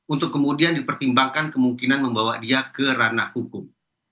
untuk kemudian dipertimbangkan kemungkinan membawa dia ke ranah hukum